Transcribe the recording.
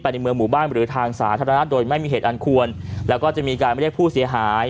ในเมืองหมู่บ้านหรือทางสาธารณะโดยไม่มีเหตุอันควรแล้วก็จะมีการเรียกผู้เสียหาย